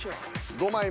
５枚目。